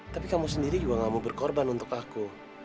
tapi kamu sendiri juga gak mau berkorban untuk aku